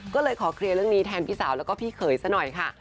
ก็เลยขอเคลียร์เรื่องนี้แทนพี่สาวแล้วก็พี่เขยซะหน่อยค่ะ